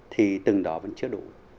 thì từng đó vẫn chưa đủ